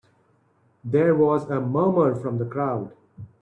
There was a murmur from the crowd.